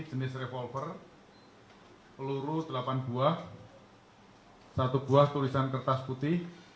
jadi barang barang bukti yang diamankan tadi